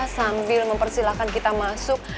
sambil mempersilahkan kita masuk